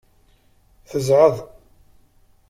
Tezɛeḍ.